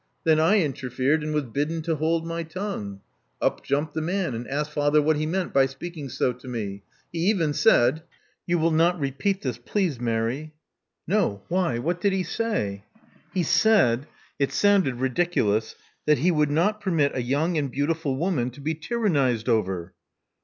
Then I interfered and was bidden to hold my tongue. Up jumped the man and asked father what he meant by speaking so to me. He even said — you will not repeat this, please, Mary.*' *' No Why? What did he say?" He said — it sounded ridiculous — that he would not permit a young and beautiful woman to be tyrannized over.